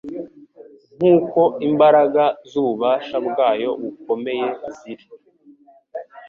"Nk'uko imbaraga z'ububasha bwayo bukomeye ziri";